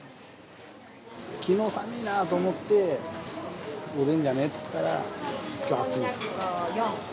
きのう寒いなと思って、おでんじゃね？って言ったら、きょう暑い。